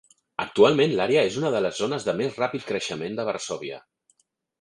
Actualment, l'àrea és una de les zones de més ràpid creixement de Varsòvia.